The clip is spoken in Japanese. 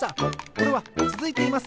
これはつづいています！